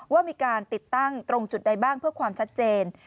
ว่ามีการติดตั้งตรงจุดใดบ้างเพื่อความชัดเจน